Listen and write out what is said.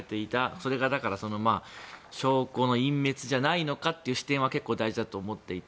それが証拠の隠滅じゃないのかって視点は大事だと思っていて。